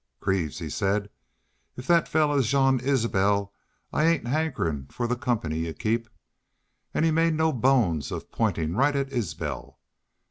"'Greaves,' he said, 'if thet fellar's Jean Isbel I ain't hankerin' fer the company y'u keep.' An' he made no bones of pointin' right at Isbel.